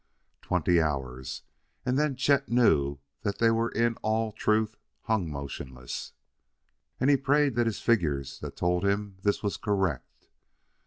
Twenty hours and then Chet knew that they were in all truth hung motionless, and he prayed that his figures that told him this were correct....